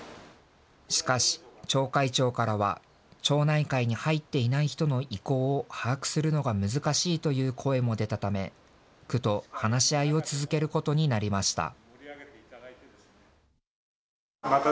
しかし町会長からは町内会に入っていない人の意向を把握するのが難しいという声も出たため、区と話し合いを続けることになりました。